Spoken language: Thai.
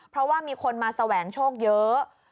เพราะว่ามีคนมาแสวงโชคเยอะ